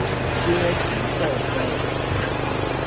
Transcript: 階級鬥爭